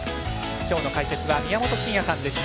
今日の解説は宮本慎也さんでした。